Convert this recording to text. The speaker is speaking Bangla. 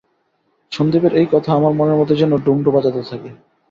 সন্দীপের এই কথা আমার মনের মধ্যে যেন ডমরু বাজাতে থাকে।